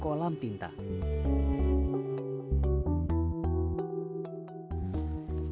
kepada penggunaan kolam tinta